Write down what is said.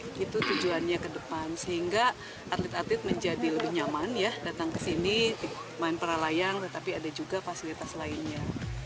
itu tujuannya ke depan sehingga atlet atlet menjadi lebih nyaman ya datang ke sini main para layang tetapi ada juga fasilitas lainnya